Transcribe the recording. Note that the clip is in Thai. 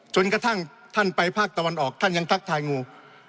จนกระทั่งท่านไปภาคตะวันออกท่านยังทักทายงู